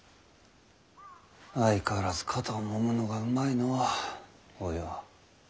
相変わらず肩をもむのがうまいのうお葉。